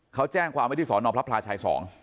เขาแจ้งความว่าไม่ได้สอนอบรับภาราชัย๒